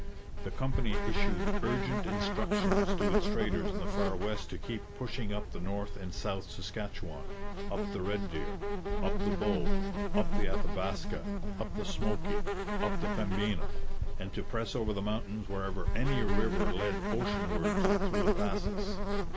The company issued urgent instructions to its traders in the Far West to keep pushing up the North and South Saskatchewan, up the Red Deer, up the Bow, up the Athabaska, up the Smoky, up the Pembina, and to press over the mountains wherever any river led oceanwards through the passes.